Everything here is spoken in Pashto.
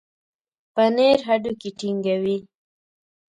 پنېر هډوکي ټينګوي.